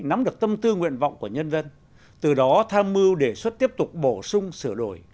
nắm được tâm tư nguyện vọng của nhân dân từ đó tham mưu đề xuất tiếp tục bổ sung sửa đổi